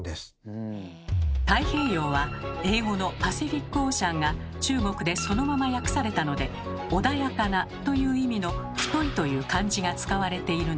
太平洋は英語の「パシフィック・オーシャン」が中国でそのまま訳されたので「穏やかな」という意味の「太」という漢字が使われているのです。